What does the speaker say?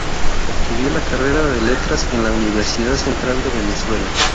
Estudió la carrera de Letras en la Universidad Central de Venezuela.